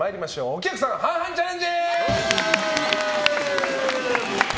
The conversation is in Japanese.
お客さん半々チャレンジ！